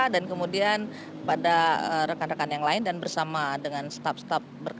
dan kemudian pada rekan rekan yang lain dan bersama dengan staf staf berkenalan di kantor tentunya